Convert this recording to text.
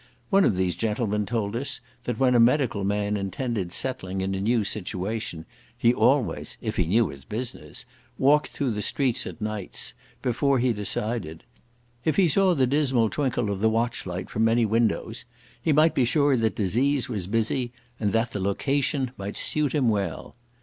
One of these gentlemen told us, that when a medical man intended settling in a new situation, he always, if he knew his business, walked through the streets at nights, before he decided. If he saw the dismal twinkle of the watch light from many windows he might be sure that disease was busy, and the the "location" might suit him well.